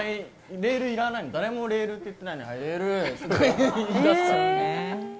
レールいらない、誰もレールって言ってないのにはいレール！って言いだすからね。